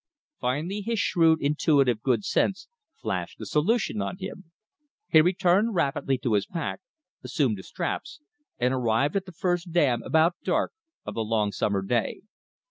Finally his shrewd, intuitive good sense flashed the solution on him. He returned rapidly to his pack, assumed the straps, and arrived at the first dam about dark of the long summer day.